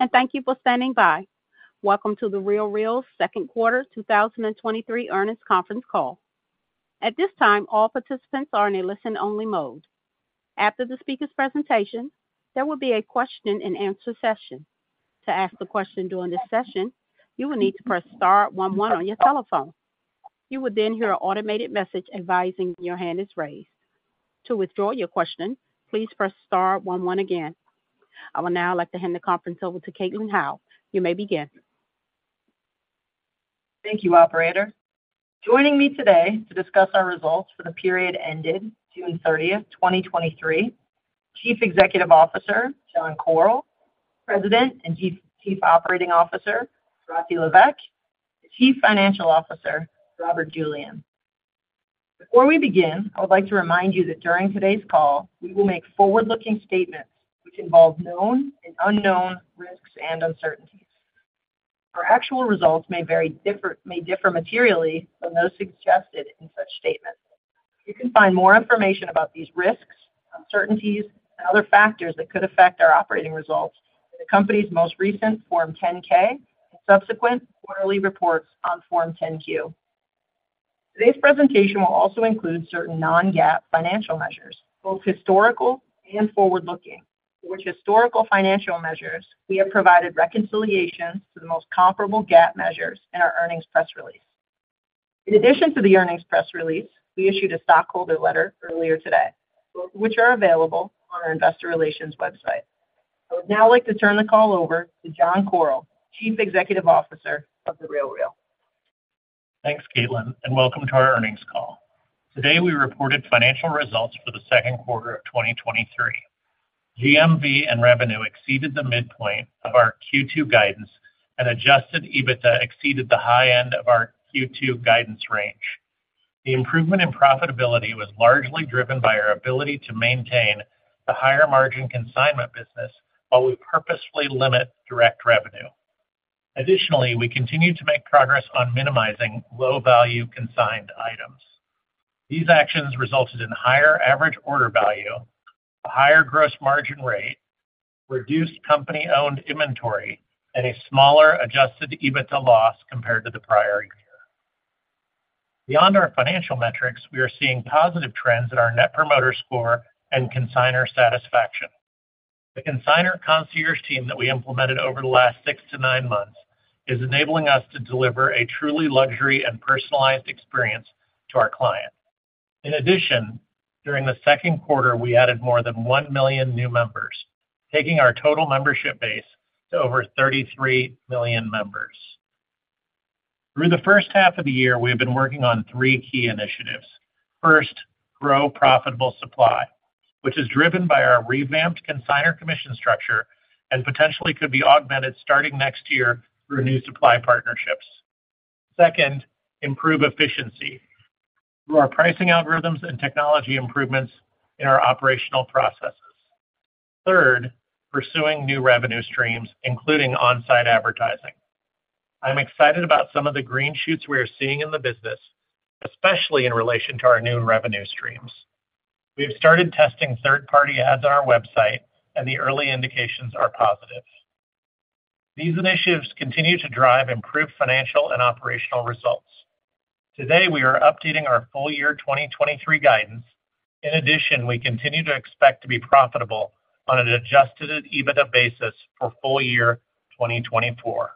Hello, and thank you for standing by. Welcome to The RealReal's second quarter 2023 earnings conference call. At this time, all participants are in a listen-only mode. After the speaker's presentation, there will be a question-and-answer session. To ask the question during this session, you will need to press star one one on your telephone. You will then hear an automated message advising your hand is raised. To withdraw your question, please press star one one again. I will now like to hand the conference over to Caitlin Howe. You may begin. Thank you, operator. Joining me today to discuss our results for the period ended June 30, 2023, Chief Executive Officer, John Koryl, President and Chief Operating Officer, Levesque, the Chief Financial Officer, Robert Julian. Before we begin, I would like to remind you that during today's call, we will make forward-looking statements, which involve known and unknown risks and uncertainties. Our actual results may differ materially from those suggested in such statements. You can find more information about these risks, uncertainties, and other factors that could affect our operating results in the company's most recent Form 10-K and subsequent quarterly reports on Form 10-Q. Today's presentation will also include certain non-GAAP financial measures, both historical and forward-looking, for which historical financial measures we have provided reconciliation to the most comparable GAAP measures in our earnings press release. In addition to the earnings press release, we issued a stockholder letter earlier today, both of which are available on our investor relations website. I would now like to turn the call over to John Koryl, Chief Executive Officer of The RealReal. Thanks, Caitlin. Welcome to our earnings call. Today, we reported financial results for the second quarter of 2023. GMV and revenue exceeded the midpoint of our Q2 guidance, and adjusted EBITDA exceeded the high end of our Q2 guidance range. The improvement in profitability was largely driven by our ability to maintain the higher margin consignment business, while we purposefully limit direct revenue. Additionally, we continued to make progress on minimizing low-value consigned items. These actions resulted in higher average order value, a higher gross margin rate, reduced company-owned inventory, and a smaller adjusted EBITDA loss compared to the prior year. Beyond our financial metrics, we are seeing positive trends in our Net Promoter Score and consignor satisfaction. The Consignor Concierge team that we implemented over the last six to nine months is enabling us to deliver a truly luxury and personalized experience to our clients. In addition, during the second quarter, we added more than 1 million new members, taking our total membership base to over 33 million members. Through the first half of the year, we have been working on three key initiatives. First, grow profitable supply, which is driven by our revamped consignor commission structure and potentially could be augmented starting next year through new supply partnerships. Second, improve efficiency through our pricing algorithms and technology improvements in our operational processes. Third, pursuing new revenue streams, including on-site advertising. I'm excited about some of the green shoots we are seeing in the business, especially in relation to our new revenue streams. We have started testing third-party ads on our website, and the early indications are positive. These initiatives continue to drive improved financial and operational results. Today, we are updating our full year 2023 guidance. In addition, we continue to expect to be profitable on an adjusted EBITDA basis for full year 2024.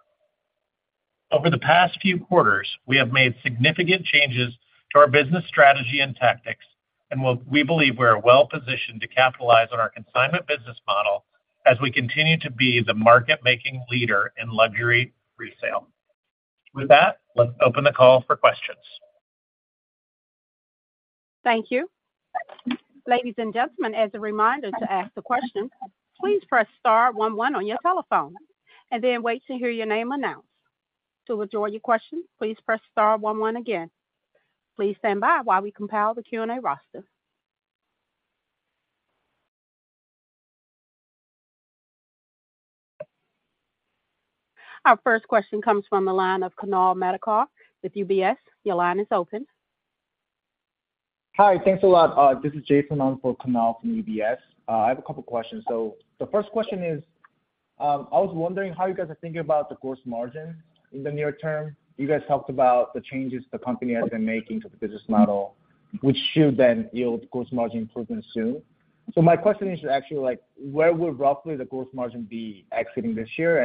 Over the past few quarters, we have made significant changes to our business strategy and tactics, and we believe we are well positioned to capitalize on our consignment business model as we continue to be the market-making leader in luxury resale. With that, let's open the call for questions. Thank you. Ladies and gentlemen, as a reminder to ask the question, please press star one one on your telephone and then wait to hear your name announced. To withdraw your question, please press star one one again. Please stand by while we compile the Q&A roster. Our first question comes from the line of Kunal Madhukar with UBS. Your line is open. Hi, thanks a lot. This is Jason on for Kunal from UBS. I have a couple questions. The first question is, I was wondering how you guys are thinking about the gross margin in the near term. You guys talked about the changes the company has been making to the business model, which should then yield gross margin improvement soon. My question is actually, like, where will roughly the gross margin be exiting this year?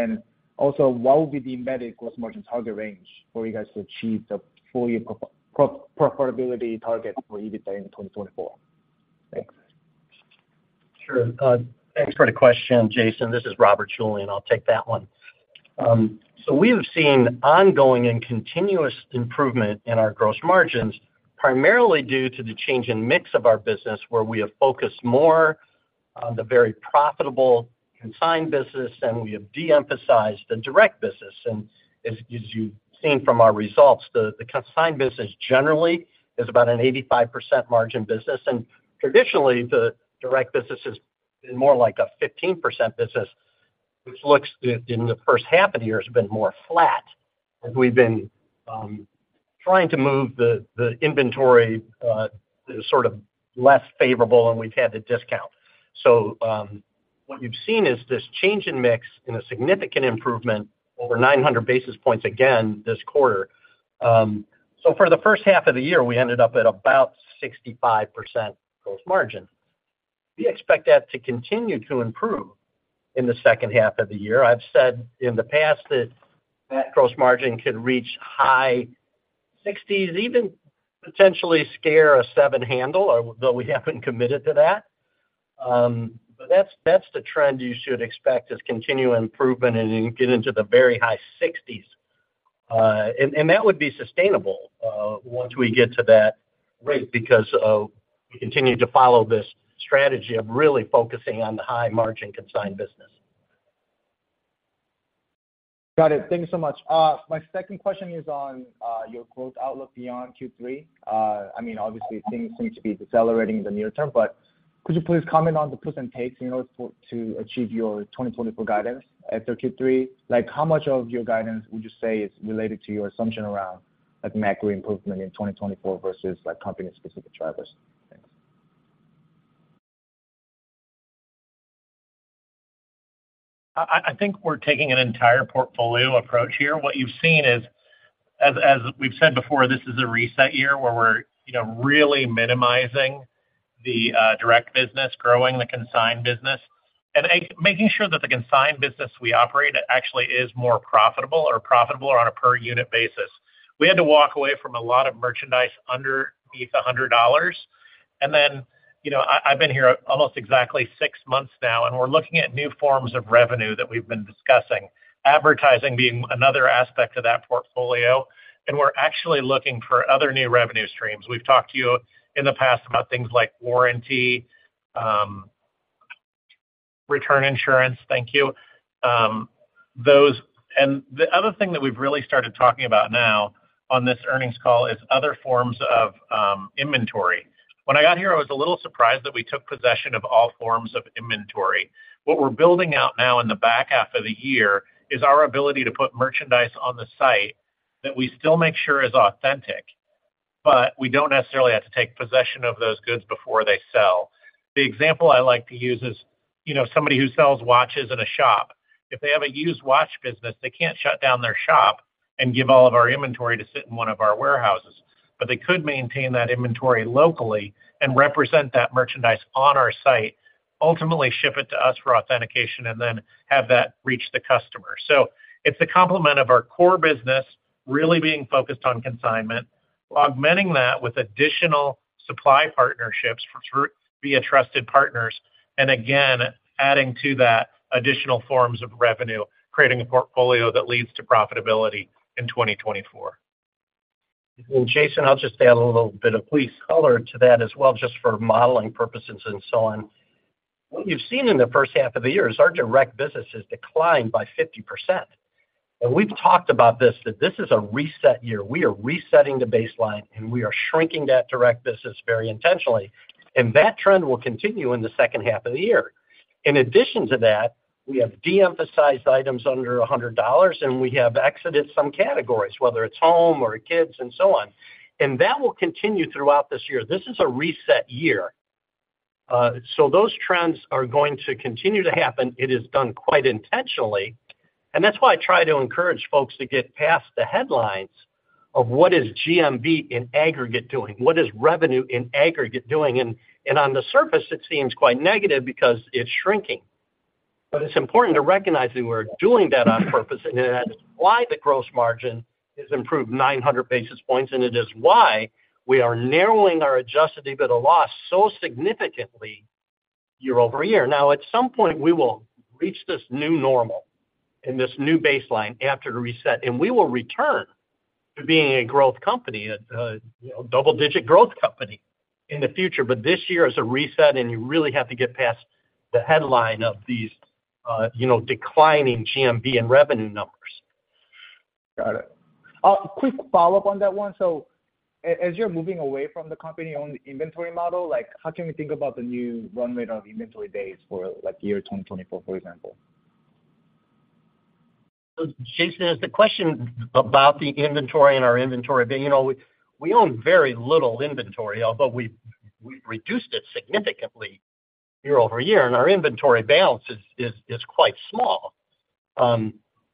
Also, what will be the embedded gross margin target range for you guys to achieve the full year profitability target for EBITDA in 2024? Thanks. Sure. Thanks for the question, Jason. This is Robert Julian. I'll take that one. We have seen ongoing and continuous improvement in our gross margins, primarily due to the change in mix of our business, where we have focused more on the very profitable consigned business, and we have de-emphasized the direct business. As, as you've seen from our results, the, the consigned business generally is about an 85% margin business, and traditionally, the direct business is more like a 15% business, which looks in the first half of the year has been more flat as we've been,... trying to move the, the inventory, sort of less favorable, and we've had to discount. What you've seen is this change in mix, and a significant improvement over 900 basis points again this quarter. For the first half of the year, we ended up at about 65% gross margin. We expect that to continue to improve in the second half of the year. I've said in the past that, that gross margin could reach high 60s, even potentially scare a 7 handle, or, though we haven't committed to that. That's, that's the trend you should expect, is continued improvement, and then get into the very high 60s. And that would be sustainable, once we get to that rate, because, we continue to follow this strategy of really focusing on the high-margin consigned business. Got it. Thank you so much. My second question is on your growth outlook beyond Q3. I mean, obviously, things seem to be decelerating in the near term, but could you please comment on the puts and takes in order to achieve your 2024 guidance after Q3? Like, how much of your guidance would you say is related to your assumption around, like, macro improvement in 2024 versus, like, company-specific drivers? Thanks. I think we're taking an entire portfolio approach here. What you've seen is, as we've said before, this is a reset year, where we're, you know, really minimizing the direct business, growing the consigned business, and making sure that the consigned business we operate actually is more profitable or profitable on a per unit basis. We had to walk away from a lot of merchandise underneath $100. Then, you know, I've been here almost exactly six months now, and we're looking at new forms of revenue that we've been discussing, advertising being another aspect of that portfolio, and we're actually looking for other new revenue streams. We've talked to you in the past about things like warranty, return insurance, thank you. The other thing that we've really started talking about now on this earnings call is other forms of inventory. When I got here, I was a little surprised that we took possession of all forms of inventory. What we're building out now in the back half of the year is our ability to put merchandise on the site that we still make sure is authentic, but we don't necessarily have to take possession of those goods before they sell. The example I like to use is, you know, somebody who sells watches at a shop. If they have a used watch business, they can't shut down their shop and give all of our inventory to sit in one of our warehouses, but they could maintain that inventory locally and represent that merchandise on our site, ultimately ship it to us for authentication, and then have that reach the customer. It's a complement of our core business, really being focused on consignment, augmenting that with additional supply partnerships through via trusted partners, and again, adding to that, additional forms of revenue, creating a portfolio that leads to profitability in 2024. Jason, I'll just add a little bit of color to that as well, just for modeling purposes and so on. What you've seen in the first half of the year is our direct business has declined by 50%. We've talked about this, that this is a reset year. We are resetting the baseline, and we are shrinking that direct business very intentionally, and that trend will continue in the second half of the year. In addition to that, we have de-emphasized items under $100, and we have exited some categories, whether it's home or kids and so on. That will continue throughout this year. This is a reset year, so those trends are going to continue to happen. It is done quite intentionally, and that's why I try to encourage folks to get past the headlines of what is GMV in aggregate doing, what is revenue in aggregate doing? On the surface, it seems quite negative because it's shrinking. It's important to recognize that we're doing that on purpose, and that is why the gross margin has improved 900 basis points, and it is why we are narrowing our adjusted EBITDA loss so significantly year-over-year. At some point, we will reach this new normal and this new baseline after the reset, We will return to being a growth company, a, you know, double-digit growth company in the future. This year is a reset, and you really have to get past the headline of these, you know, declining GMV and revenue numbers. Got it. Quick follow-up on that one. As you're moving away from the company-owned inventory model, how can we think about the new run rate of inventory days for year 2024, for example? Jason, as the question about the inventory and our inventory, you know, we, we own very little inventory, although we've, we've reduced it significantly year-over-year, and our inventory balance is quite small.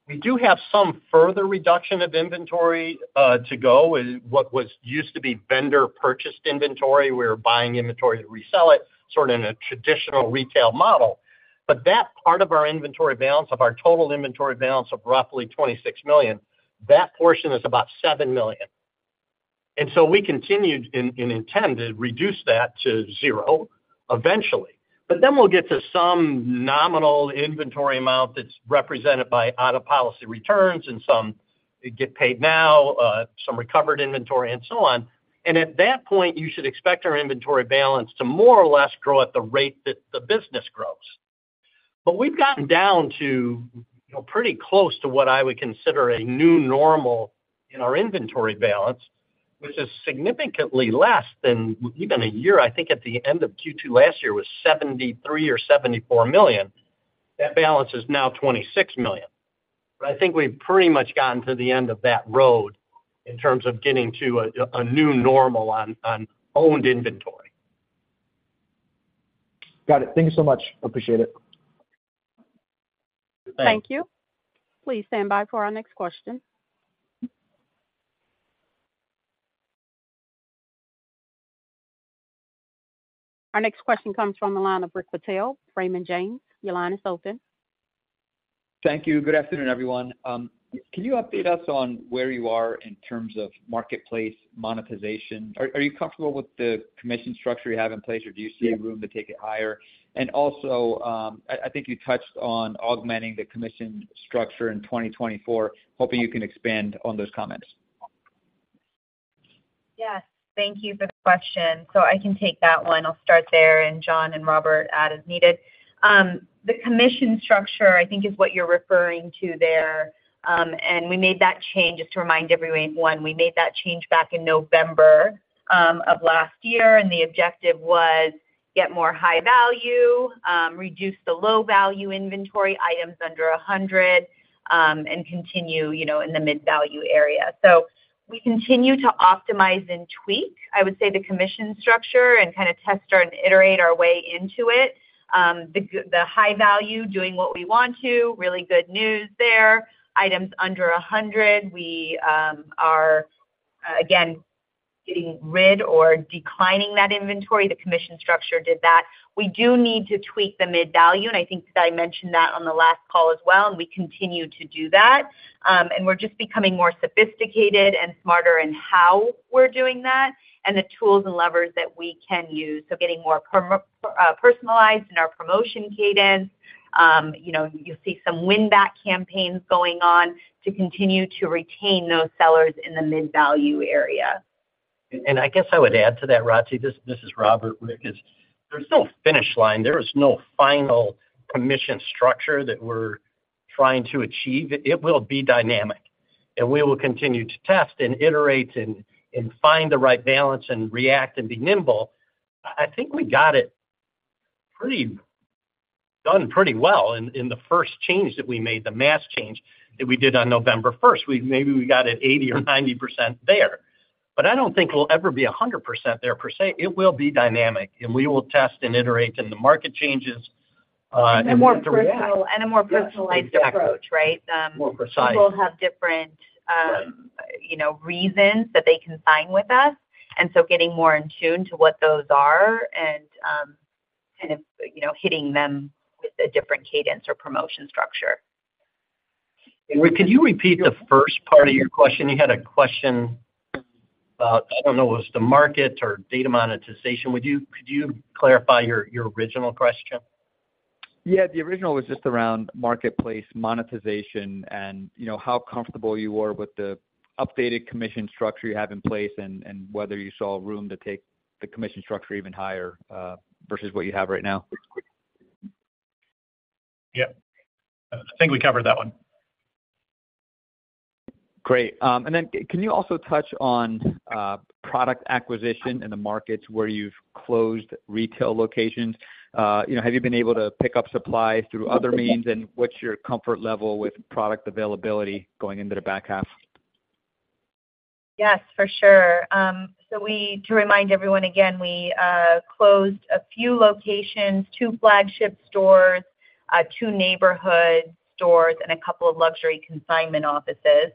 We do have some further reduction of inventory to go, with what was used to be vendor-purchased inventory. We're buying inventory to resell it, sort of in a traditional retail model. That part of our inventory balance, of our total inventory balance of roughly $26 million, that portion is about $7 million. We continue and intend to reduce that to zero eventually. We'll get to some nominal inventory amount that's represented by out-of-policy returns and some Get Paid Now, some recovered inventory and so on. At that point, you should expect our inventory balance to more or less grow at the rate that the business grows. We've gotten down to, you know, pretty close to what I would consider a new normal in our inventory balance, which is significantly less than even a year. I think at the end of Q2 last year, it was $73 million or $74 million. That balance is now $26 million. I think we've pretty much gotten to the end of that road in terms of getting to a, a new normal on, on owned inventory. Got it. Thank you so much. Appreciate it. Thanks. Thank you. Please stand by for our next question. Our next question comes from the line of Rick Patel, Raymond James. Your line is open. Thank you. Good afternoon, everyone. Can you update us on where you are in terms of marketplace monetization? Are you comfortable with the commission structure you have in place, or do you see room to take it higher? Also, I, I think you touched on augmenting the commission structure in 2024. Hoping you can expand on those comments. Yes, thank you for the question. I can take that one. I'll start there, and John and Robert add as needed. The commission structure, I think, is what you're referring to there. We made that change, just to remind everyone, we made that change back in November, of last year, and the objective was get more high value, reduce the low-value inventory items under 100, and continue, you know, in the mid-value area. We continue to optimize and tweak, I would say, the commission structure and kind of test and iterate our way into it. The high value, doing what we want to, really good news there. Items under 100, we are, again, getting rid or declining that inventory, the commission structure did that. We do need to tweak the mid-value, and I think that I mentioned that on the last call as well, and we continue to do that. We're just becoming more sophisticated and smarter in how we're doing that, and the tools and levers that we can use. Getting more personalized in our promotion cadence. You know, you'll see some win-back campaigns going on to continue to retain those sellers in the mid-value area. I guess I would add to that, Rati, this, this is Robert Rick is, there's no finish line, there is no final commission structure that we're trying to achieve. It will be dynamic, and we will continue to test and iterate and, and find the right balance and react and be nimble. I think we got it pretty done pretty well in, in the first change that we made, the mass change that we did on November first. We've maybe we got it 80% or 90% there, but I don't think we'll ever be 100% there per se. It will be dynamic, and we will test and iterate, and the market changes, and we have to react. A more personalized approach, right? More precise. People have different, you know, reasons that they consign with us, and so getting more in tune to what those are and, kind of, you know, hitting them with a different cadence or promotion structure. Rick, could you repeat the first part of your question? You had a question about, I don't know, it was the market or data monetization. Would you, could you clarify your, your original question? Yeah, the original was just around marketplace monetization and, you know, how comfortable you were with the updated commission structure you have in place, and whether you saw room to take the commission structure even higher, versus what you have right now. Yep. I think we covered that one. Great. Can you also touch on product acquisition in the markets where you've closed retail locations? You know, have you been able to pick up supply through other means, and what's your comfort level with product availability going into the back half? Yes, for sure. We, to remind everyone, again, we closed a few locations, 2 flagship stores, 2 neighborhood stores, and a couple of Luxury Consignment Offices.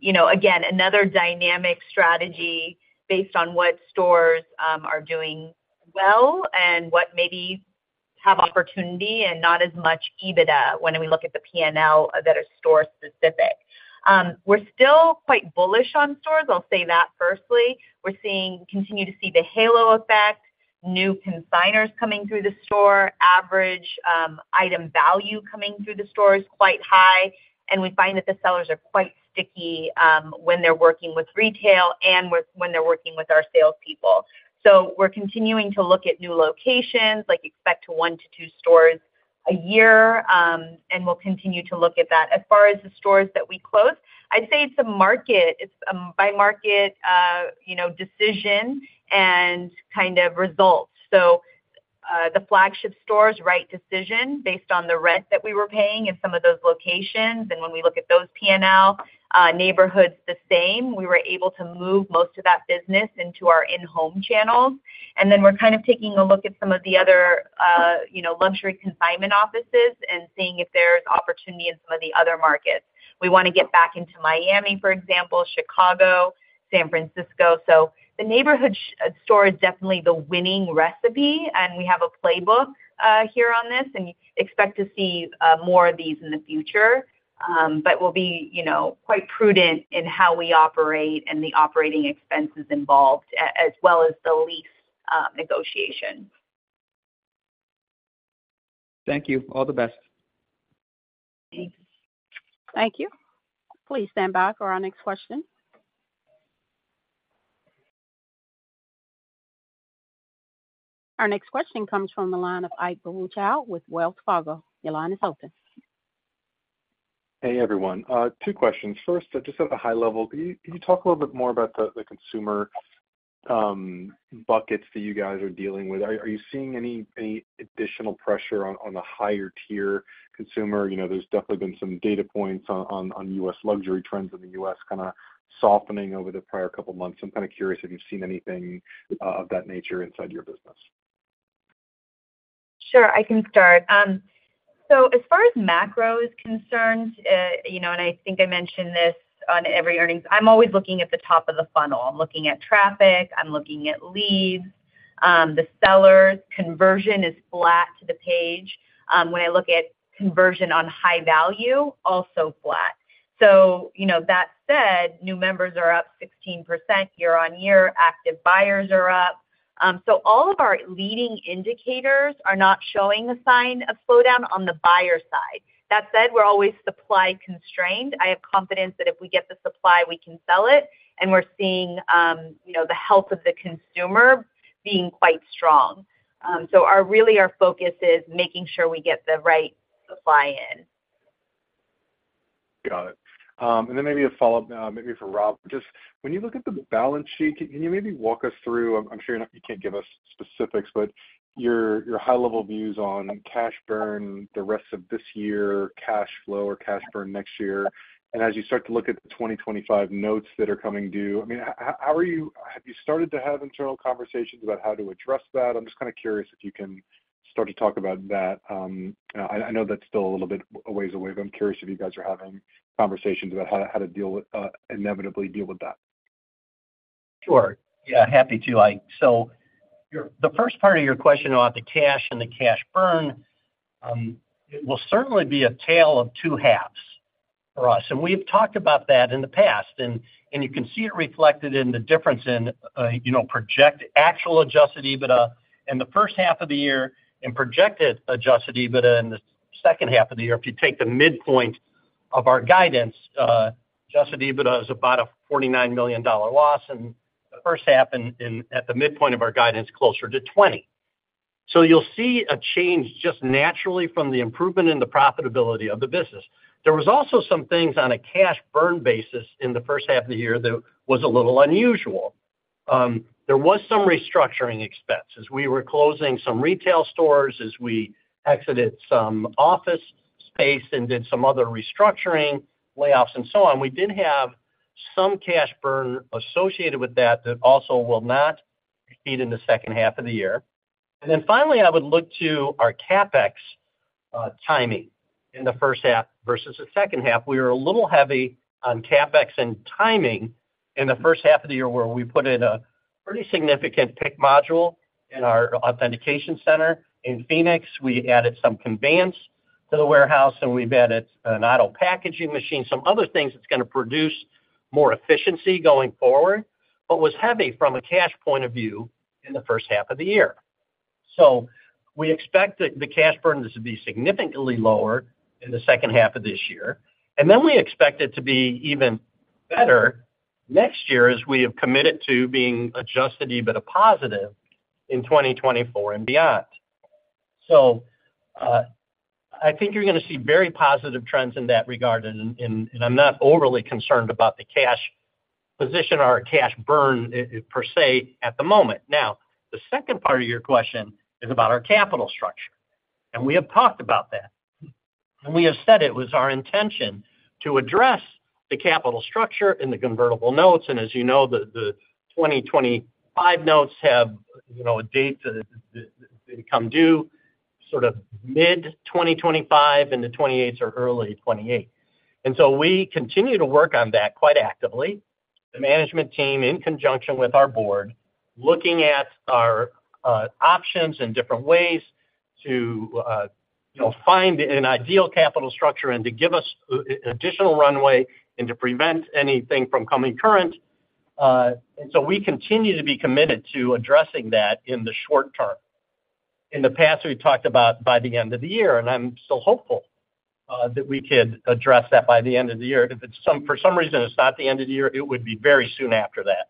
You know, again, another dynamic strategy based on what stores are doing well and what maybe have opportunity and not as much EBITDA when we look at the PNL that are store specific. We're still quite bullish on stores, I'll say that firstly. We're seeing, continue to see the halo effect, new consigners coming through the store. Average item value coming through the store is quite high, and we find that the sellers are quite sticky when they're working with retail and with, when they're working with our salespeople. We're continuing to look at new locations, like expect 1-2 stores a year, and we'll continue to look at that. As far as the stores that we closed, I'd say it's a market, it's a by market, you know, decision and kind of results. So, the flagship stores, right decision based on the rent that we were paying in some of those locations. And when we look at those PNL neighborhoods, the same, we were able to move most of that business into our in-home channels. And then we're kind of taking a look at some of the other, you know, Luxury Consignment Offices and seeing if there's opportunity in some of the other markets. We want to get back into Miami, for example, Chicago, San Francisco. So the neighborhood store is definitely the winning recipe, and we have a playbook here on this, and expect to see more of these in the future. We'll be, you know, quite prudent in how we operate and the operating expenses involved, as well as the lease negotiation. Thank you. All the best. Thanks. Thank you. Please stand by for our next question. Our next question comes from the line of Ike Boruchow with Wells Fargo. Your line is open.... Hey, everyone. Two questions. First, just at the high level, can you, can you talk a little bit more about the, the consumer buckets that you guys are dealing with? Are, are you seeing any, any additional pressure on, on the higher tier consumer? You know, there's definitely been some data points on, on, on U.S. luxury trends in the U.S. kind of softening over the prior couple of months. I'm kind of curious if you've seen anything of that nature inside your business. Sure, I can start. As far as macro is concerned, you know, and I think I mentioned this on every earnings, I'm always looking at the top of the funnel. I'm looking at traffic, I'm looking at leads. The sellers conversion is flat to the page. When I look at conversion on high value, also flat. You know, that said, new members are up 16% year-over-year, active buyers are up. All of our leading indicators are not showing a sign of slowdown on the buyer side. That said, we're always supply constrained. I have confidence that if we get the supply, we can sell it, and we're seeing, you know, the health of the consumer being quite strong. Really, our focus is making sure we get the right supply in. Got it. Maybe a follow-up now, maybe for Rob. Just when you look at the balance sheet, can you maybe walk us through, I'm sure you know you can't give us specifics, but your, your high-level views on cash burn, the rest of this year, cash flow or cash burn next year. As you start to look at the 2025 notes that are coming due, I mean, how, how are you have you started to have internal conversations about how to address that? I'm just kind of curious if you can start to talk about that. I know that's still a little bit a ways away, but I'm curious if you guys are having conversations about how to, how to deal with, inevitably deal with that. Sure. Yeah, happy to. So the first part of your question about the cash and the cash burn, it will certainly be a tale of two halves for us, and we've talked about that in the past, and, and you can see it reflected in the difference in, you know, project actual adjusted EBITDA in the first half of the year and projected adjusted EBITDA in the second half of the year. If you take the midpoint of our guidance, adjusted EBITDA is about a $49 million loss, and the first half in, in, at the midpoint of our guidance, closer to $20 million. You'll see a change just naturally from the improvement in the profitability of the business. There was also some things on a cash burn basis in the first half of the year that was a little unusual. There was some restructuring expenses. We were closing some retail stores as we exited some office space and did some other restructuring, layoffs, and so on. We did have some cash burn associated with that, that also will not repeat in the second half of the year. Then finally, I would look to our CapEx timing in the first half versus the second half. We were a little heavy on CapEx and timing in the first half of the year, where we put in a pretty significant pick module in our authentication center. In Phoenix, we added some conveyance to the warehouse, and we've added an auto packaging machine, some other things that's gonna produce more efficiency going forward, but was heavy from a cash point of view in the first half of the year. We expect that the cash burn to be significantly lower in the second half of this year, and then we expect it to be even better next year, as we have committed to being adjusted EBITDA positive in 2024 and beyond. I think you're gonna see very positive trends in that regard, and, and, and I'm not overly concerned about the cash position or our cash burn per se, at the moment. Now, the second part of your question is about our capital structure. We have talked about that. We have said it was our intention to address the capital structure and the convertible notes. As you know, the, the 2025 notes have, you know, a date to, to come due, sort of mid-2025 into 2028 or early 2028. We continue to work on that quite actively. The management team, in conjunction with our board, looking at our options and different ways to, you know, find an ideal capital structure and to give us additional runway and to prevent anything from coming current. We continue to be committed to addressing that in the short term. In the past, we've talked about by the end of the year, and I'm still hopeful that we could address that by the end of the year. If for some reason, it's not the end of the year, it would be very soon after that.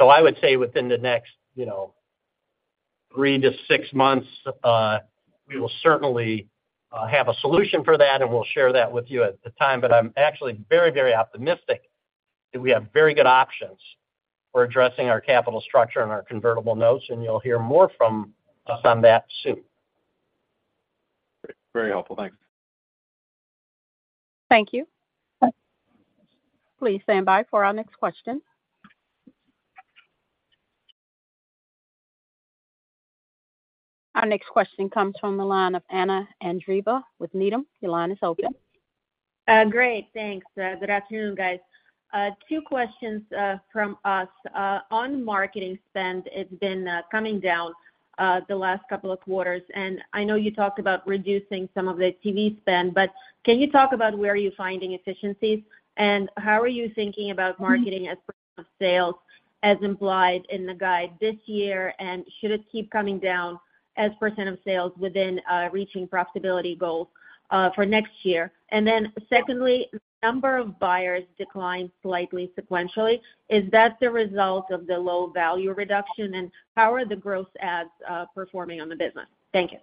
I would say within the next, you know, 3 to 6 months, we will certainly have a solution for that, and we'll share that with you at the time. I'm actually very, very optimistic that we have very good options for addressing our capital structure and our convertible notes, and you'll hear more from us on that soon. Great. Very helpful. Thanks. Thank you. Please stand by for our next question. Our next question comes from the line of Anna Andreeva with Needham. Your line is open. Great, thanks. Good afternoon, guys. Two questions from us. On marketing spend, it's been coming down the last couple of quarters, and I know you talked about reducing some of the TV spend, but can you talk about where you're finding efficiencies? How are you thinking about marketing as sales, as implied in the guide this year, and should it keep coming down as a % of sales within reaching profitability goals for next year? Secondly, the number of buyers declined slightly sequentially. Is that the result of the low value reduction, and how are the growth ads performing on the business? Thank you.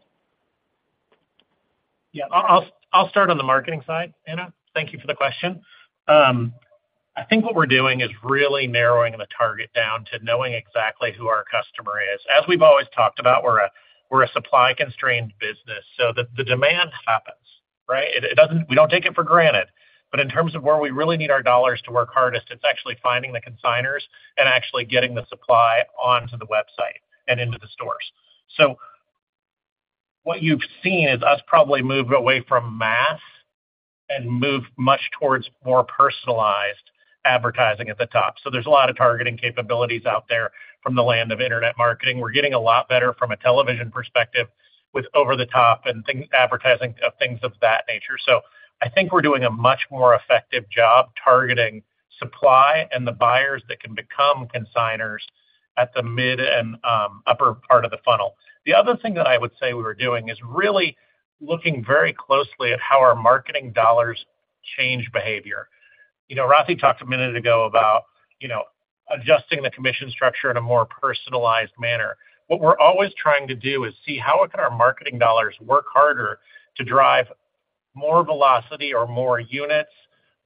Yeah, I'll, I'll start on the marketing side, Anna. Thank you for the question. I think what we're doing is really narrowing the target down to knowing exactly who our customer is. As we've always talked about, we're a, we're a supply-constrained business, so the, the demand happens, right? It doesn't. We don't take it for granted. But in terms of where we really need our dollars to work hardest, it's actually finding the consignors and actually getting the supply onto the website and into the stores. So what you've seen is us probably move away from mass and move much towards more personalized advertising at the top. So there's a lot of targeting capabilities out there from the land of internet marketing. We're getting a lot better from a television perspective with over-the-top and advertising of things of that nature. I think we're doing a much more effective job targeting supply and the buyers that can become consignors at the mid and upper part of the funnel. The other thing that I would say we were doing, is really looking very closely at how our marketing dollars change behavior. You know, Rati talked a minute ago about, you know, adjusting the commission structure in a more personalized manner. What we're always trying to do is see how can our marketing dollars work harder to drive more velocity or more units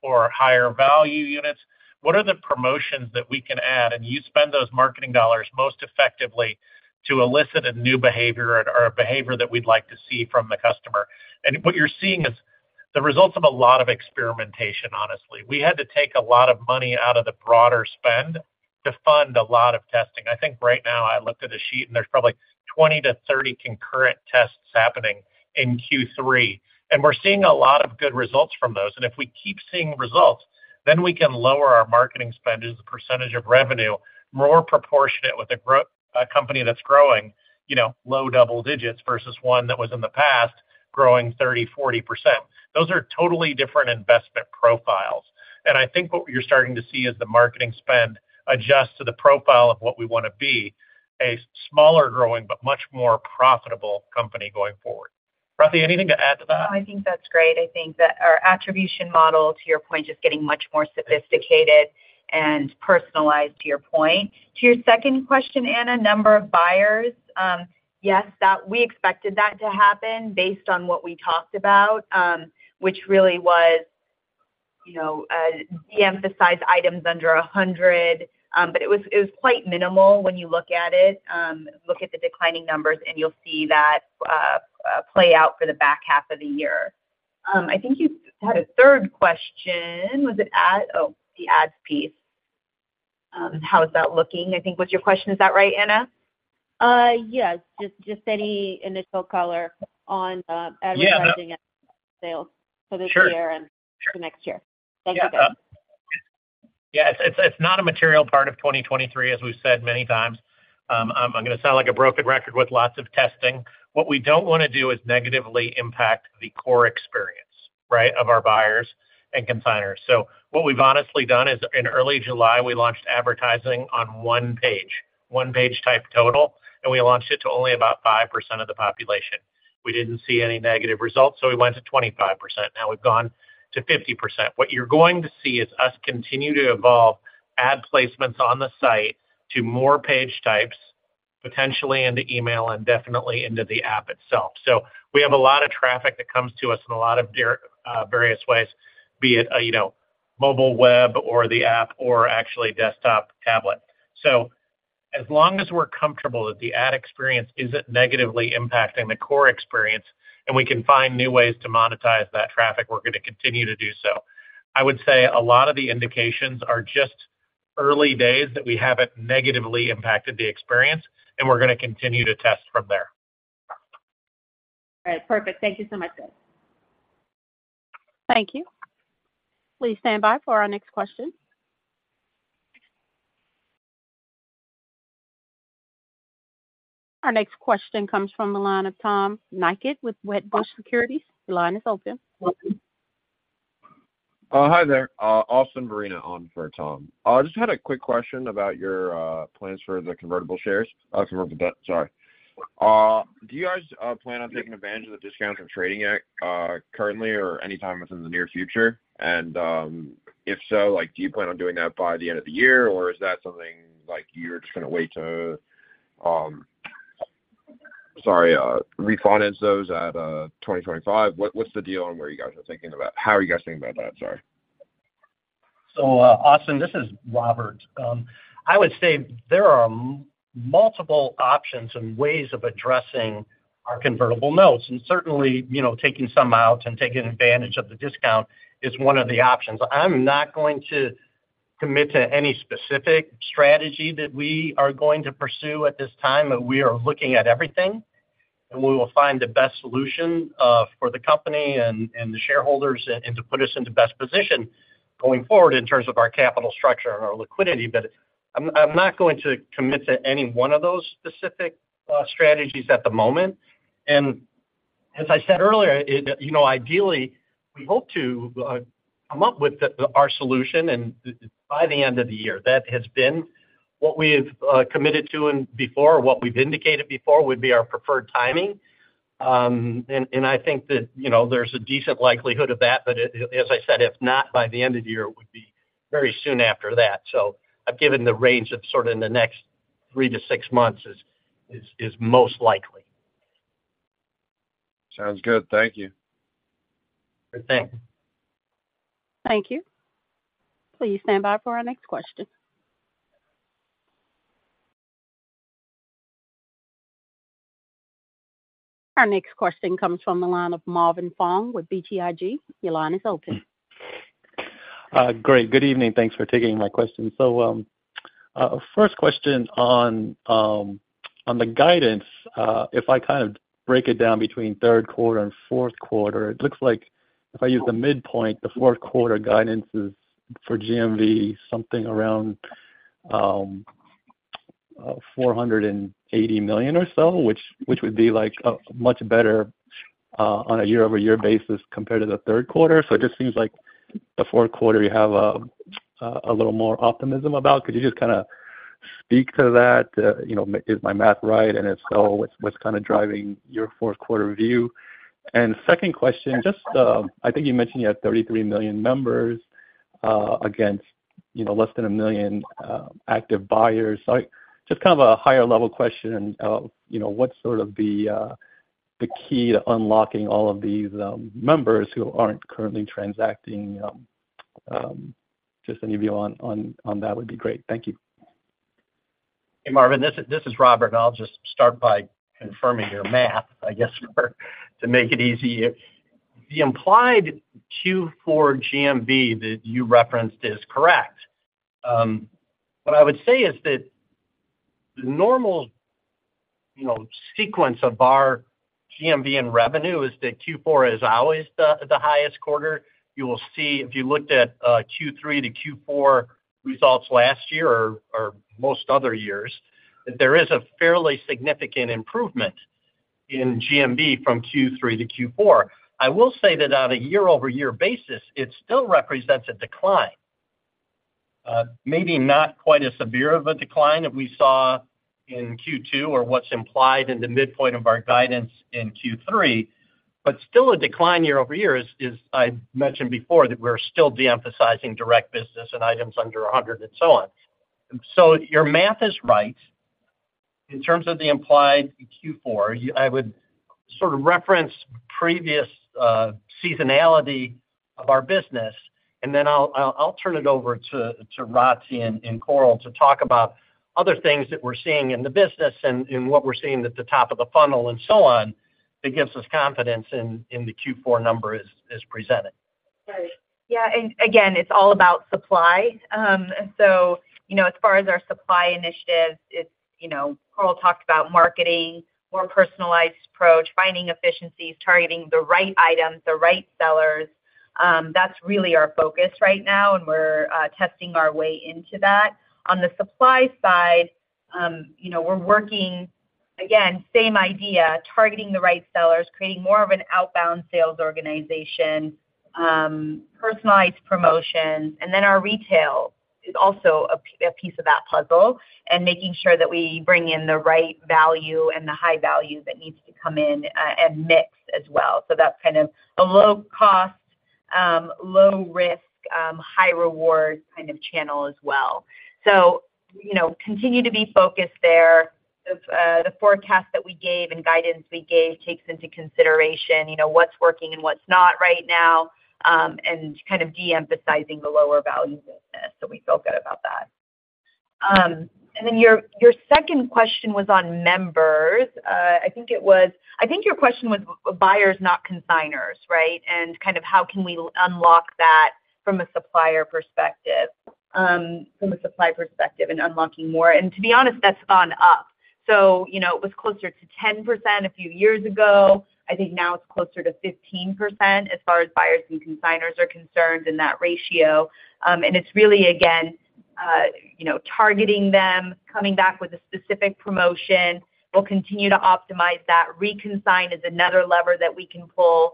or higher value units? What are the promotions that we can add? You spend those marketing dollars most effectively to elicit a new behavior or, or a behavior that we'd like to see from the customer. What you're seeing is the results of a lot of experimentation, honestly. We had to take a lot of money out of the broader spend to fund a lot of testing. I think right now, I looked at a sheet, there's probably 20-30 concurrent tests happening in Q3, and we're seeing a lot of good results from those. If we keep seeing results, then we can lower our marketing spend as a percentage of revenue, more proportionate with a company that's growing, you know, low double digits, versus one that was in the past, growing 30%, 40%. Those are totally different investment profiles. I think what you're starting to see is the marketing spend adjust to the profile of what we want to be, a smaller growing, but much more profitable company going forward. Rati, anything to add to that? No, I think that's great. I think that our attribution model, to your point, just getting much more sophisticated and personalized, to your point. To your second question, Anna, number of buyers, yes, that we expected that to happen based on what we talked about, which really was, you know, deemphasize items under 100. It was, it was quite minimal when you look at it. Look at the declining numbers, you'll see that play out for the back half of the year. I think you had a third question. Was it ad? Oh, the ads piece. How is that looking, I think, was your question. Is that right, Anna? yes, just, just any initial color on, advertising- Yeah. Sales for this year- Sure. The next year. Thank you, guys. Yeah. It's not a material part of 2023, as we've said many times. I'm going to sound like a broken record with lots of testing. What we don't want to do is negatively impact the core experience, right, of our buyers and consignors. What we've honestly done is, in early July, we launched advertising on 1 page, 1 page type total, and we launched it to only about 5% of the population. We didn't see any negative results, so we went to 25%. Now, we've gone to 50%. What you're going to see is us continue to evolve ad placements on the site to more page types, potentially into email and definitely into the app itself. We have a lot of traffic that comes to us in a lot of various ways, be it, you know, mobile web or the app or actually desktop, tablet. As long as we're comfortable that the ad experience isn't negatively impacting the core experience, and we can find new ways to monetize that traffic, we're going to continue to do so. I would say a lot of the indications are just early days, that we haven't negatively impacted the experience, and we're going to continue to test from there. All right. Perfect. Thank you so much, guys. Thank you. Please stand by for our next question. Our next question comes from the line of Tom Nikic, with Wedbush Securities. Your line is open. Welcome. Hi there, Austin Ferner on for Tom. Just had a quick question about your plans for the convertible shares, convertible debt, sorry. Do you guys plan on taking advantage of the discount from trading yet, currently or anytime within the near future? If so, like, do you plan on doing that by the end of the year, or is that something like you're just gonna wait to, sorry, refinance those at 2025? What, what's the deal on where you guys are thinking about, how are you guys thinking about that? Sorry. Austin, this is Robert. I would say there are multiple options and ways of addressing our convertible notes, and certainly, you know, taking some out and taking advantage of the discount is one of the options. I'm not going to commit to any specific strategy that we are going to pursue at this time, but we are looking at everything, and we will find the best solution for the company and the shareholders and to put us in the best position going forward in terms of our capital structure and our liquidity. I'm, I'm not going to commit to any one of those specific strategies at the moment. As I said earlier, it, you know, ideally, we hope to come up with our solution by the end of the year. That has been what we've committed to and before, what we've indicated before, would be our preferred timing. I think that, you know, there's a decent likelihood of that, but it, as I said, if not by the end of the year, it would be very soon after that. I've given the range of sort of in the next...... three to six months is, is, is most likely. Sounds good. Thank you. Good, thanks. Thank you. Please stand by for our next question. Our next question comes from the line of Marvin Fong with BTIG. Your line is open. Great. Good evening. Thanks for taking my question. First question on the guidance, if I kind of break it down between third quarter and fourth quarter, it looks like if I use the midpoint, the fourth quarter guidance is for GMV, something around $480 million or so, which, which would be like much better on a year-over-year basis compared to the third quarter. It just seems like the fourth quarter, you have a little more optimism about. Could you just kind of speak to that? You know, is my math right? If so, what's, what's kind of driving your fourth quarter view? Second question, just, I think you mentioned you had 33 million members against, you know, less than 1 million active buyers. Just kind of a higher level question, you know, what's sort of the key to unlocking all of these members who aren't currently transacting? Just any view on, on, on that would be great. Thank you. Hey, Marvin Fong, this is, this is Robert Julian, I'll just start by confirming your math, I guess, to make it easy. The implied Q4 GMV that you referenced is correct. What I would say is that the normal, you know, sequence of our GMV and revenue is that Q4 is always the, the highest quarter. You will see if you looked at Q3 to Q4 results last year or, or most other years, that there is a fairly significant improvement in GMV from Q3 to Q4. I will say that on a year-over-year basis, it still represents a decline. maybe not quite as severe of a decline that we saw in Q2 or what's implied in the midpoint of our guidance in Q3, but still a decline year over year, as, as I mentioned before, that we're still de-emphasizing direct business and items under 100 and so on. So your math is right. In terms of the implied Q4, I would sort of reference previous seasonality of our business, and then I'll, I'll, I'll turn it over to Rati and Koryl to talk about other things that we're seeing in the business and what we're seeing at the top of the funnel and so on, that gives us confidence in the Q4 number as presented. Right. Yeah, again, it's all about supply. You know, as far as our supply initiatives, it's, you know, Koryl talked about marketing, more personalized approach, finding efficiencies, targeting the right items, the right sellers. That's really our focus right now, and we're testing our way into that. On the supply side, you know, we're working, again, same idea, targeting the right sellers, creating more of an outbound sales organization, personalized promotions. Our retail is also a piece of that puzzle, and making sure that we bring in the right value and the high value that needs to come in and mix as well. That's kind of a low cost, low risk, high reward kind of channel as well. You know, continue to be focused there. The forecast that we gave and guidance we gave takes into consideration, you know, what's working and what's not right now, and kind of de-emphasizing the lower value business. So we feel good about that. Your, your second question was on members. I think it was... I think your question was buyers, not consignors, right? Kind of how can we unlock that from a supplier perspective, from a supply perspective and unlocking more. To be honest, that's gone up. You know, it was closer to 10% a few years ago. I think now it's closer to 15%, as far as buyers and consignors are concerned, in that ratio. It's really, again, you know, targeting them, coming back with a specific promotion. We'll continue to optimize that. Reconsign is another lever that we can pull,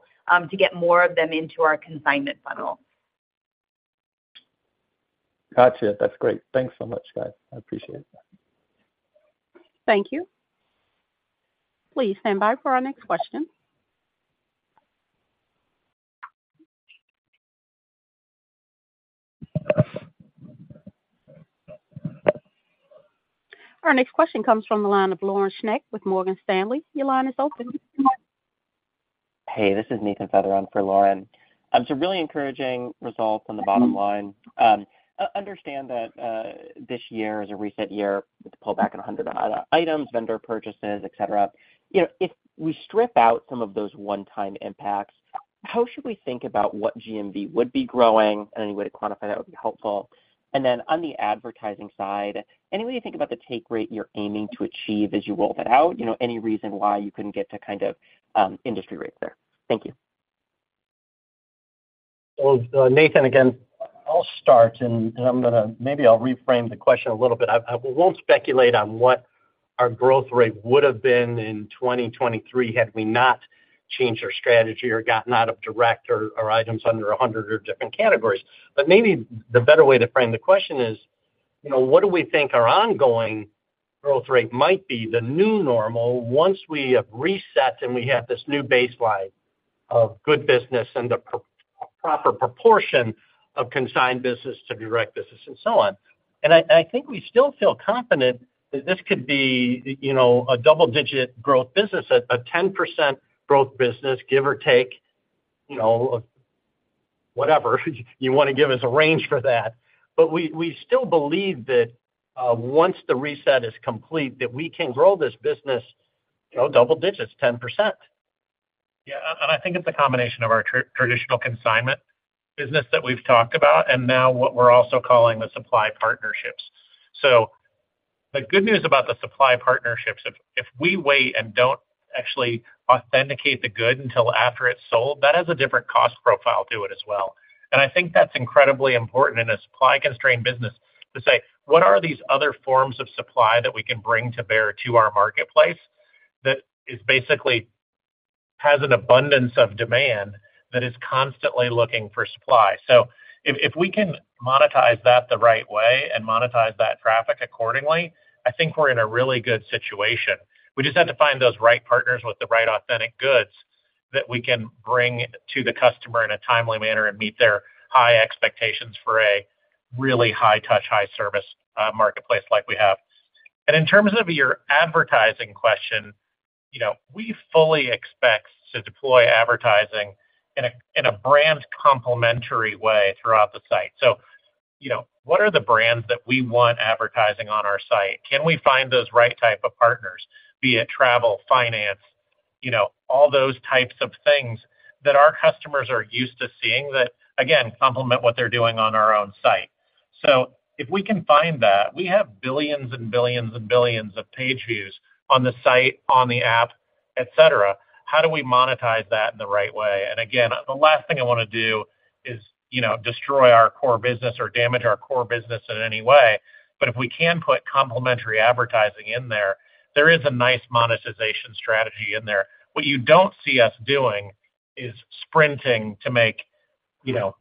to get more of them into our consignment funnel. Gotcha. That's great. Thanks so much, guys. I appreciate that. Thank you. Please stand by for our next question. Our next question comes from the line of Lauren Schenk with Morgan Stanley. Your line is open. Hey, this is Nathaniel Feather for Lauren. Really encouraging results on the bottom line. Understand that this year is a reset year with the pullback in 100 items, vendor purchases, et cetera. You know, if we strip out some of those one-time impacts, how should we think about what GMV would be growing? Any way to quantify that would be helpful. Then on the advertising side, any way you think about the take rate you're aiming to achieve as you roll that out? You know, any reason why you couldn't get to kind of industry rate there? Thank you. Well, Nathan, again, I'll start, and I'm gonna... maybe I'll reframe the question a little bit. I won't speculate on what our growth rate would have been in 2023 had we not changed our strategy or gotten out of direct or items under 100 or different categories. Maybe the better way to frame the question is, you know, what do we think our ongoing growth rate might be, the new normal, once we have reset and we have this new baseline of good business and the proper proportion of consigned business to direct business and so on. I think we still feel confident that this could be, you know, a double-digit growth business, a 10% growth business, give or take, you know, whatever you want to give us a range for that. We, we still believe that, once the reset is complete, that we can grow this business, you know, double digits, 10%. Yeah, I think it's a combination of our traditional consignment business that we've talked about, and now what we're also calling the supply partnerships. The good news about the supply partnerships, if, if we wait and don't actually authenticate the good until after it's sold, that has a different cost profile to it as well. I think that's incredibly important in a supply-constrained business to say: What are these other forms of supply that we can bring to bear to our marketplace, that is basically has an abundance of demand, that is constantly looking for supply? If, if we can monetize that the right way and monetize that traffic accordingly, I think we're in a really good situation. We just have to find those right partners with the right authentic goods that we can bring to the customer in a timely manner and meet their high expectations for a really high touch, high service, marketplace like we have. In terms of your advertising question, you know, we fully expect to deploy advertising in a, in a brand complementary way throughout the site. You know, what are the brands that we want advertising on our site? Can we find those right type of partners, be it travel, finance, you know, all those types of things that our customers are used to seeing, that, again, complement what they're doing on our own site. If we can find that, we have billions and billions and billions of page views on the site, on the app, et cetera. How do we monetize that in the right way? Again, the last thing I want to do is, you know, destroy our core business or damage our core business in any way. If we can put complementary advertising in there, there is a nice monetization strategy in there. What you don't see us doing is sprinting to make, you know,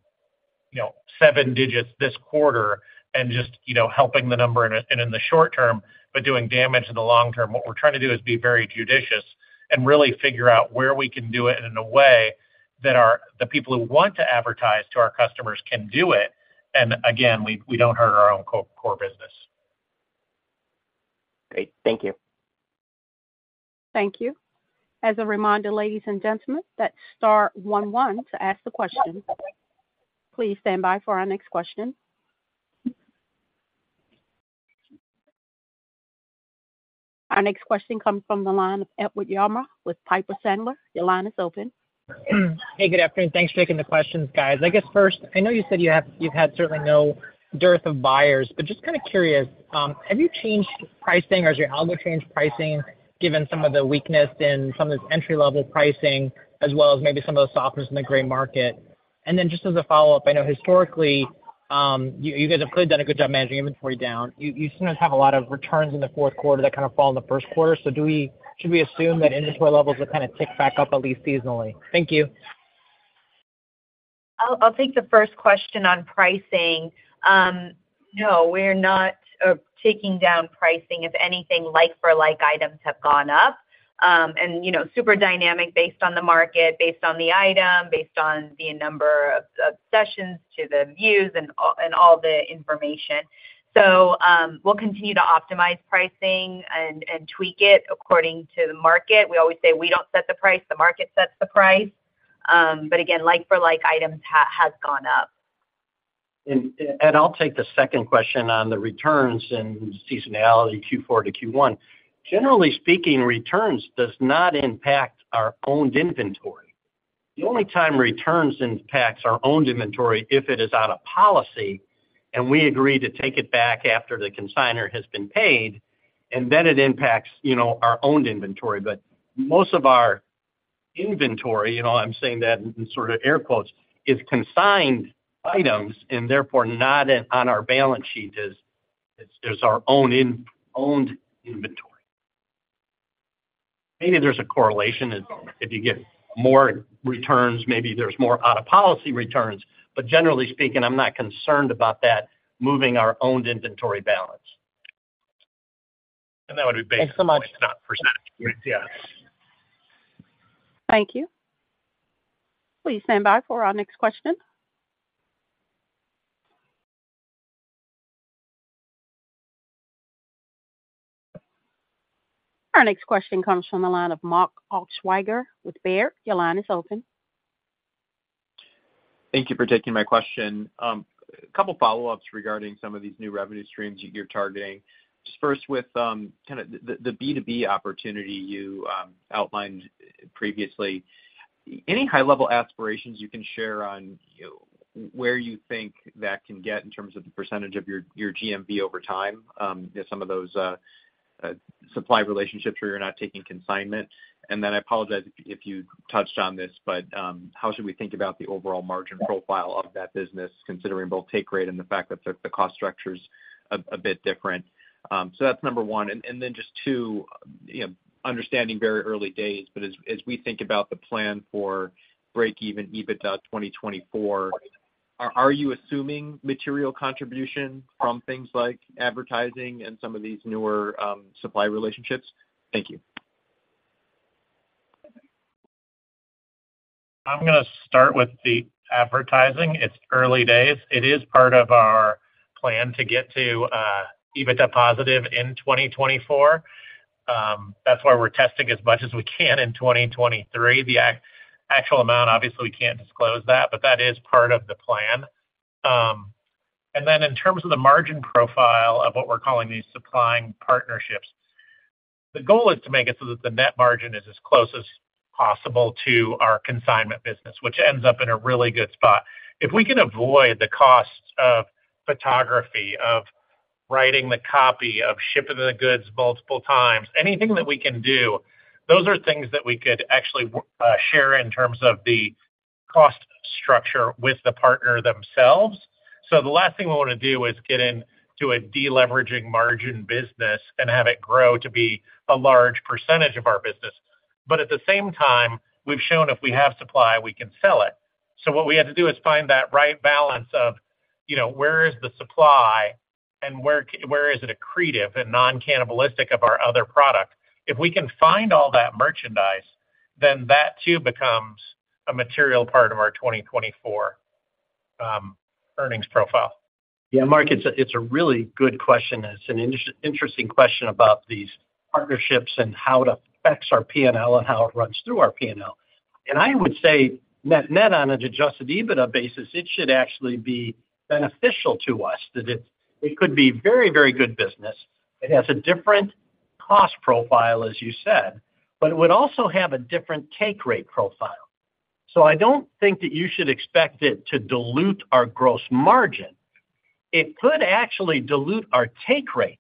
you know, 7 digits this quarter and just, you know, helping the number in the short term, but doing damage in the long term. What we're trying to do is be very judicious and really figure out where we can do it in a way that our the people who want to advertise to our customers can do it, and again, we, we don't hurt our own core business. Great. Thank you. Thank you. As a reminder, ladies and gentlemen, that's star one one to ask the question. Please stand by for our next question. Our next question comes from the line of Edward Yruma with Piper Sandler. Your line is open. Hey, good afternoon. Thanks for taking the questions, guys. I guess first, I know you said you've had certainly no dearth of buyers, but just kind of curious, have you changed pricing or has your algo changed pricing, given some of the weakness in some of this entry-level pricing, as well as maybe some of the softness in the gray market? Just as a follow-up, I know historically, you guys have clearly done a good job managing inventory down. You seem to have a lot of returns in the fourth quarter that kind of fall in the first quarter. Should we assume that inventory levels will kind of tick back up, at least seasonally? Thank you. I'll, I'll take the first question on pricing. No, we're not taking down pricing. If anything, like-for-like items have gone up. You know, super dynamic based on the market, based on the item, based on the number of, of sessions to the views and all, and all the information. We'll continue to optimize pricing and, and tweak it according to the market. We always say we don't set the price, the market sets the price. Again, like-for-like items has gone up. I'll take the second question on the returns and seasonality, Q4 to Q1. Generally speaking, returns does not impact our owned inventory. The only time returns impacts our owned inventory, if it is out of policy and we agree to take it back after the consignor has been paid, and then it impacts, you know, our owned inventory. Most of our inventory, you know, I'm saying that in sort of air quotes, is consigned items, and therefore, not on our balance sheet as, as our own owned inventory. Maybe there's a correlation, if, if you get more returns, maybe there's more out-of-policy returns. Generally speaking, I'm not concerned about that moving our owned inventory balance. That would be based... Thanks so much. Not %. Yeah. Thank you. Please stand by for our next question. Our next question comes from the line of Mark Altschwager with Baird. Your line is open. Thank you for taking my question. A couple follow-ups regarding some of these new revenue streams you, you're targeting. Just first with, kind of the, the B2B opportunity you, outlined previously. Any high-level aspirations you can share on, you know, where you think that can get in terms of the percentage of your, your GMV over time, some of those, supply relationships where you're not taking consignment? And then I apologize if you touched on this, but, how should we think about the overall margin profile of that business, considering both take rate and the fact that the, the cost structure is a, a bit different? So that's number one. Then just 2, you know, understanding very early days, but as, as we think about the plan for break even EBITDA 2024, are, are you assuming material contribution from things like advertising and some of these newer supply relationships? Thank you. I'm going to start with the advertising. It's early days. It is part of our plan to get to EBITDA positive in 2024. That's why we're testing as much as we can in 2023. The actual amount, obviously, we can't disclose that, but that is part of the plan. Then in terms of the margin profile of what we're calling the supplying partnerships, the goal is to make it so that the net margin is as close as possible to our consignment business, which ends up in a really good spot. If we can avoid the cost of photography, of writing the copy, of shipping the goods multiple times, anything that we can do, those are things that we could actually share in terms of the cost structure with the partner themselves. The last thing we want to do is get into a deleveraging margin business and have it grow to be a large percentage of our business. At the same time, we've shown if we have supply, we can sell it. What we have to do is find that right balance of, you know, where is the supply and where where is it accretive and non-cannibalistic of our other product? If we can find all that merchandise, that too becomes a material part of our 2024 earnings profile. Yeah, Mark, it's a really good question. It's an interesting question about these partnerships and how it affects our P&L and how it runs through our P&L. And I would say, net, net, on an adjusted EBITDA basis, it should actually be beneficial to us, that it, it could be very, very good business. It has a different cost profile, as you said, but it would also have a different take rate profile. So I don't think that you should expect it to dilute our gross margin. It could actually dilute our take rate,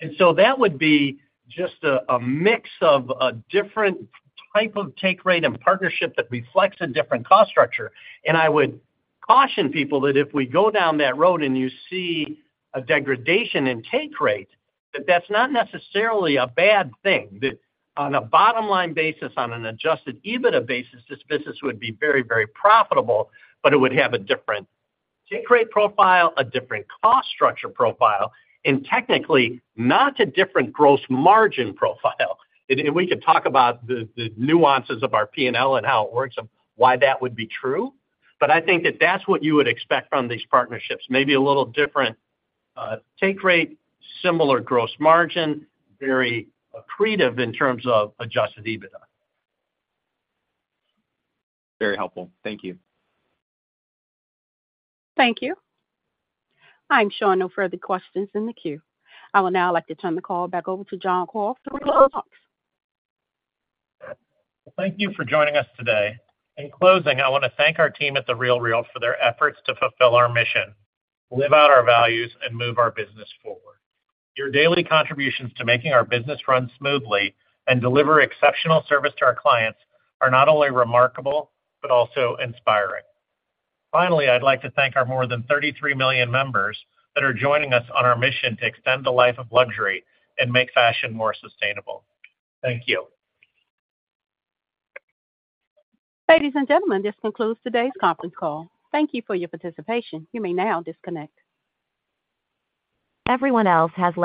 and so that would be just a, a mix of a different type of take rate and partnership that reflects a different cost structure. And I would caution people that if we go down that road and you see a degradation in take rate, that that's not necessarily a bad thing. That on a bottom-line basis, on an adjusted EBITDA basis, this business would be very, very profitable, but it would have a different take rate profile, a different cost structure profile, and technically, not a different gross margin profile. We could talk about the, the nuances of our P&L and how it works and why that would be true. I think that that's what you would expect from these partnerships, maybe a little different take rate, similar gross margin, very accretive in terms of adjusted EBITDA. Very helpful. Thank you. Thank you. I'm showing no further questions in the queue. I would now like to turn the call back over to John Koryl to close up. Thank you for joining us today. In closing, I want to thank our team at The RealReal for their efforts to fulfill our mission, live out our values, and move our business forward. Your daily contributions to making our business run smoothly and deliver exceptional service to our clients are not only remarkable, but also inspiring. Finally, I'd like to thank our more than 33 million members that are joining us on our mission to extend the life of luxury and make fashion more sustainable. Thank you. Ladies and gentlemen, this concludes today's conference call. Thank you for your participation. You may now disconnect. Everyone else has been-